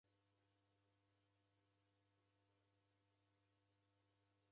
Matuku ghose ndeghifwanane.